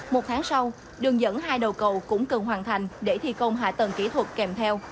một tháng sau đường dẫn hai đầu cầu cũng cần hoàn thành để thi công hạ tầng kỹ thuật kèm theo